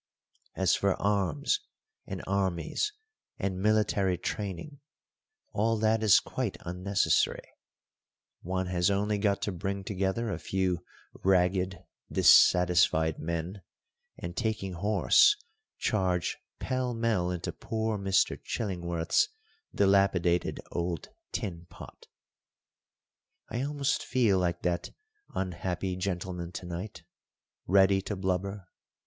As for arms and armies and military training, all that is quite unnecessary. One has only got to bring together a few ragged, dissatisfied men, and, taking horse, charge pell mell into poor Mr. Chillingworth's dilapidated old tin pot. I almost feel like that unhappy gentleman to night, ready to blubber.